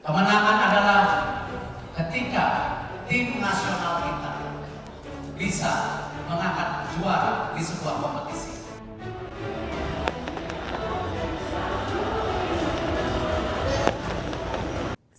kemenangan adalah ketika tim nasional kita bisa mengangkat juara di sebuah kompetisi